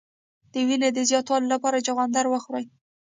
د وینې د زیاتوالي لپاره چغندر وخورئ